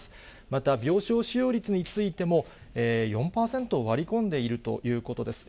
また、病床使用率についても、４％を割り込んでいるということです。